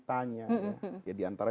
jangan anda takut